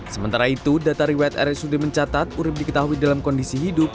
sementara itu data riwet rsud mencatat urib diketahui dalam kondisi hidup